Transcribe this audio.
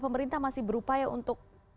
pemerintah masih berupaya untuk